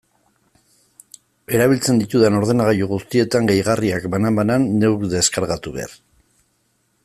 Erabiltzen ditudan ordenagailu guztietan gehigarriak, banan-banan, neuk deskargatu behar.